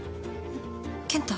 健太？